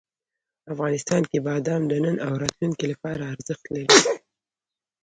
افغانستان کې بادام د نن او راتلونکي لپاره ارزښت لري.